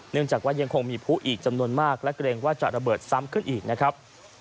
จากว่ายังคงมีผู้อีกจำนวนมากและเกรงว่าจะระเบิดซ้ำขึ้นอีกนะครับ